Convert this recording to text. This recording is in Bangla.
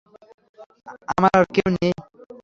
আমার আর কেউ নেই।